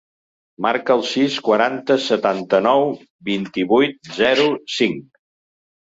Marca el sis, quaranta, setanta-nou, vint-i-vuit, zero, cinc.